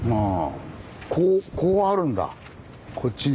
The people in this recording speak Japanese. こうこうあるんだこっちに。